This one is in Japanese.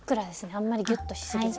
あんまりギュッとしすぎず。